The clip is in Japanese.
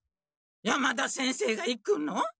山田先生が行くの？